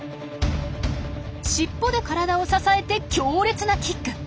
尻尾で体を支えて強烈なキック！